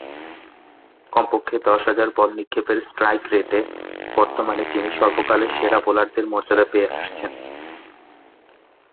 কমপক্ষে দশ হাজার বল নিক্ষেপের স্ট্রাইক রেটে বর্তমানে তিনি সর্বকালের সেরা বোলারের মর্যাদা পেয়ে আসছেন।